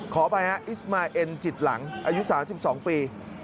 ขออภัยฮะอิสมาเอ็นจิตหลังอายุ๓๒ปี